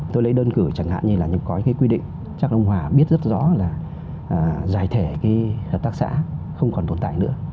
tôi lấy đơn cử chẳng hạn như là có cái quy định chắc ông hòa biết rất rõ là giải thể cái hợp tác xã không còn tồn tại nữa